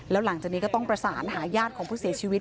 แล้วหลังจากนี้ก็ต้องประสานหาญาติของผู้เสียชีวิต